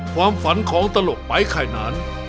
ความฝันของตลกไม้ไข่นั้น